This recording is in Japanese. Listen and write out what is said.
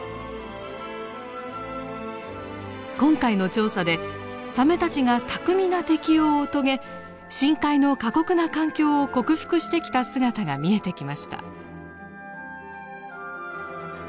今回の調査でサメたちが巧みな適応を遂げ深海の過酷な環境を克服してきた姿が見えてきました。